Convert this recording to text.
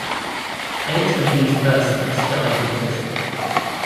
Eight of these persons died in prison.